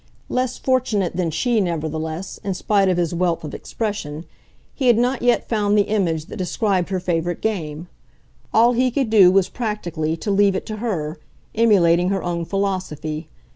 Less fortunate than she, nevertheless, in spite of his wealth of expression, he had not yet found the image that described her favourite game; all he could do was practically to leave it to her, emulating her own philosophy.